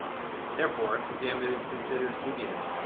Therefore, the gambit is considered dubious.